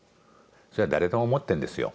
それは誰でも持ってるんですよ